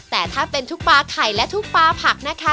แต่ถ้าเป็นทุกปลาไข่และทุกปลาผักนะคะ